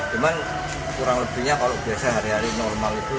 cuman kurang lebihnya kalau biasa hari hari normal itu